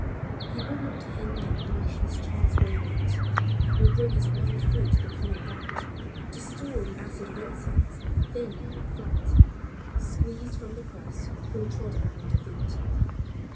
He would not bind and thresh his chance grown wheat, Nor bring his wild fruit to the common vat, To store the acid rinsings, thin and flat, Squeezed from the press or trodden under feet.